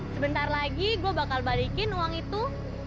sebentar lagi gue bakal balikin uang itu